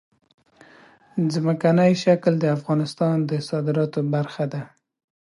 ځمکنی شکل د افغانستان د صادراتو برخه ده.